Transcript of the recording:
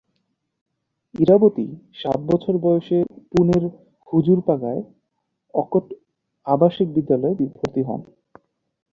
ইরাবতী সাত বছর বয়সে পুনের হুজুরপাগায় একট আবাসিক বিদ্যালয়ে ভর্তি হন।